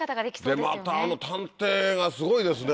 でまたあの探偵がすごいですね。